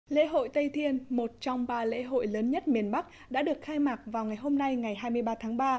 lễ hội tây thiên một trong ba lễ hội lớn nhất miền bắc đã được khai mạc vào ngày hôm nay ngày hai mươi ba tháng ba